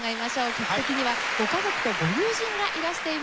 客席にはご家族とご友人がいらしています。